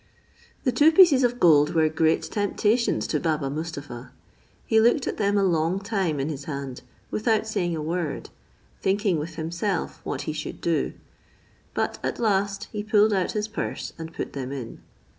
The two pieces of gold were great temptations to Baba Mustapha. He looked at them a long time in his hand, without saying a word, thinking with himself what he should do; but at last he pulled out his purse, and put them in.